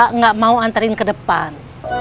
enggak mau nganterin ke depan